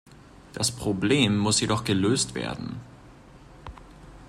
Das Problem muss jedoch gelöst werden.